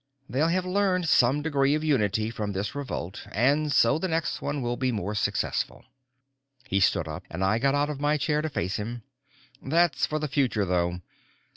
They'll have learned some degree of unity from this revolt and so the next one will be more successful." He stood up and I got out of my chair to face him. "That's for the future, though.